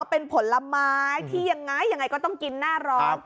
เป็นผลไม้ที่ยังไงยังไงก็ต้องกินหน้าร้อน